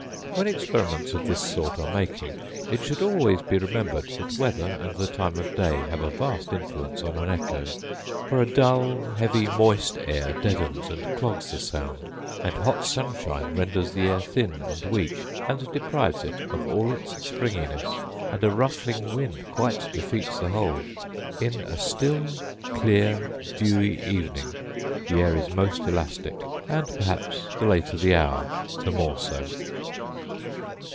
When experiments of this sort are making, it should always be remembered that weather and the time of day have a vast influence on an echo; for a dull, heavy, moist air deadens and clogs the sound; and hot sunshine renders the air thin and weak, and deprives it of all its springiness; and a ruffling wind quite defeats the whole. In a still, clear, dewy evening the air is most elastic; and perhaps the later the hour the more so.